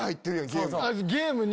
ゲームに。